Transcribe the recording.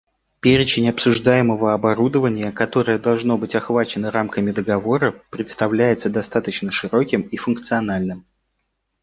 Перечень обсуждаемого оборудования, которое должно быть охвачено рамками договора, представляется достаточно широким и функциональным.